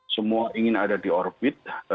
semua ingin ada di orbit